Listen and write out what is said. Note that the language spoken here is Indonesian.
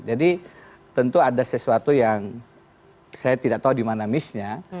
jadi tentu ada sesuatu yang saya tidak tahu dimana missnya